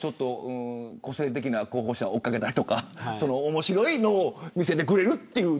個性的な候補者を追っ掛けたりとか面白いのを見せてくれるっていう。